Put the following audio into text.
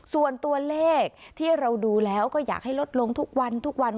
ส่วนตัวเลขที่เราดูแล้วก็อยากให้ลดลงทุกวันทุกวัน